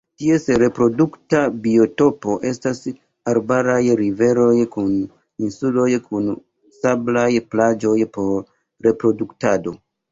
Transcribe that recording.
Ties reprodukta biotopo estas arbaraj riveroj kun insuloj kun sablaj plaĝoj por reproduktado.